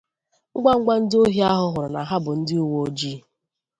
Ngwangwa ndị ohi ahụ hụrụ ha bụ ndị uweojii